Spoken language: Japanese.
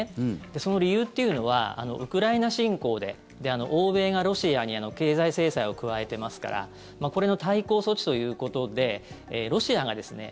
その理由というのはウクライナ侵攻で欧米がロシアに経済制裁を加えてますからこれの対抗措置ということでロシアがですね